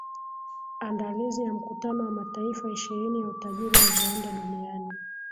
aandalizi ya mkutano wa mataifa ishirini ya utajiri wa viwanda duniani